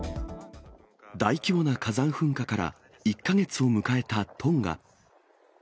大規模な火山噴火から１か月を迎えたトンが。